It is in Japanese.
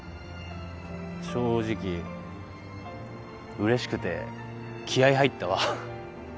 正直うれしくて気合入ったわ。